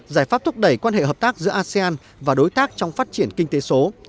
giải pháp thúc đẩy quan hệ hợp tác giữa asean và đối tác trong phát triển kinh tế số